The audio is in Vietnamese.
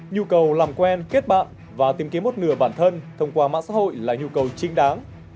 nhu cầu làm quen kết bạn và tìm kiếm một nửa bản thân thông qua mạng xã hội là nhu cầu chính đáng